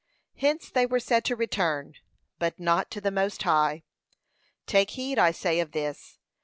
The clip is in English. Hence they were said to return, but not to the Most High. Take heed, I say, of this.